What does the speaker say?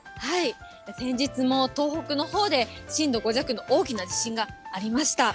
先日も東北のほうで震度５弱の大きな地震がありました。